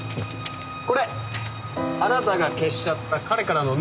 これあなたが消しちゃった彼からのメール。